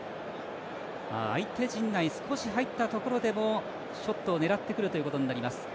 相手陣内、少し入ったところでもショットを狙ってくるということになります。